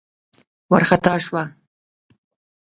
وار خطا شوه.